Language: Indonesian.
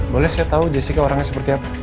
boleh saya tahu jessica orangnya seperti apa